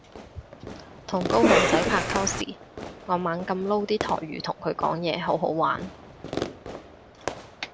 同高雄仔拍拖時我猛噉撈啲台語同佢講嘢好好玩